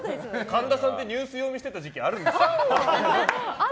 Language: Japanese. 神田さんってニュース読みしていた時期あるんですね。